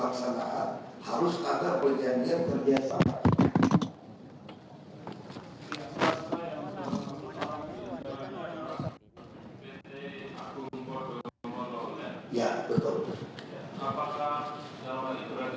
apakah dalam hal itu ada sudah pengajian kerjasama atau perjanjian bekerja